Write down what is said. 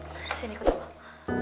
disini aku tolong